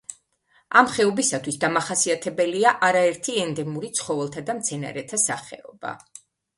ამ ხეობისათვის დამახასიათებელია არაერთი ენდემური ცხოველთა და მცენარეთა სახეობა.